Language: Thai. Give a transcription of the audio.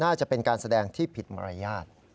น่าจะเป็นการแสดงที่ผิดมารยาท